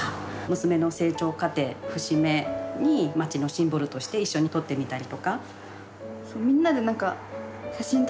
娘の成長過程節目に街のシンボルとして一緒に撮ってみたりとか。